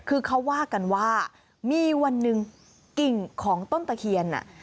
คือเขาว่ากันว่ามีวันหนึ่งกิ่งของต้นตะเคียน